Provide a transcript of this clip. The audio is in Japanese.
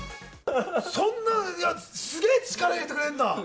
そんな、すげぇ力入れてくれるんだ。